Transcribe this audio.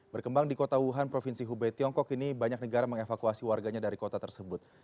berkembang di kota wuhan provinsi hubei tiongkok ini banyak negara mengevakuasi warganya dari kota tersebut